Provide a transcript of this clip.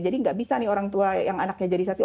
jadi nggak bisa nih orang tua yang anaknya jadi saksi